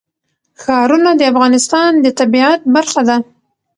ښارونه د افغانستان د طبیعت برخه ده.